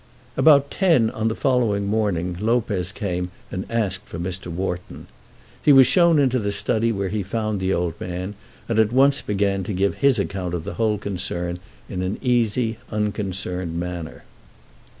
About ten on the following morning Lopez came and asked for Mr. Wharton. He was shown into the study, where he found the old man, and at once began to give his account of the whole concern in an easy, unconcerned manner.